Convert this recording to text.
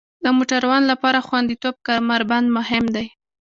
د موټروان لپاره خوندیتوب کمربند مهم دی.